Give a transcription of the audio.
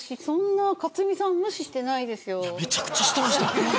そんなに克実さん無視してないですよ。